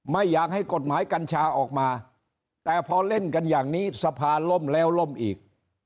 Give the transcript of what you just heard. ไม่อยากให้กฎหมายกัญชาออกมาแต่พอเล่นกันอย่างนี้สภาล่มแล้วล่มอีก